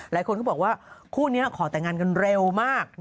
หลายคนก็บอกว่าคู่นี้ขอแต่งงานกันเร็วมาก